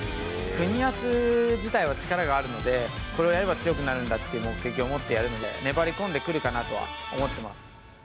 國安自体は力があるので、これをやれば強くなるんだっていう目的を持ってやるので、粘り込んでくるかなとは思ってます。